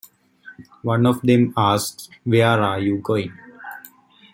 One of them asks: Where are you going?